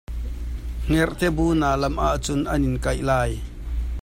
Hngerhte bu na lamh ahcun an in kaih lai.